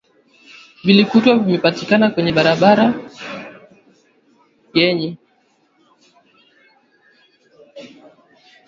vilikutwa vimetapakaa kwenye barabara yenye